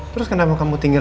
terus kenapa kamu tinggal